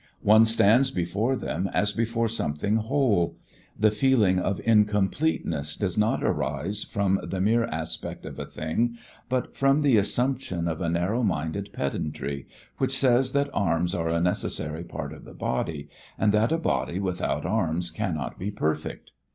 One stands before them as before something whole. The feeling of incompleteness does not rise from the mere aspect of a thing, but from the assumption of a narrow minded pedantry, which says that arms are a necessary part of the body and that a body without arms cannot be perfect.